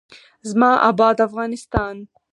زما اباد افغانستان.